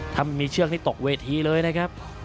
ถ้าไม่มีเชือกนี่ตกเวทีเลยนะครับ